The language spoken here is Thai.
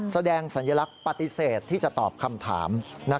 สัญลักษณ์ปฏิเสธที่จะตอบคำถาม